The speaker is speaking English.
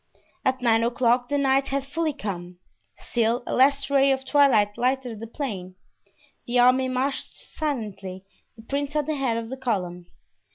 At nine o'clock the night had fully come. Still a last ray of twilight lighted the plain. The army marched silently, the prince at the head of the column.